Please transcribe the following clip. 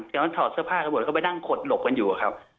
เข้าไปนั่งขดหลบกันอยู่ครับ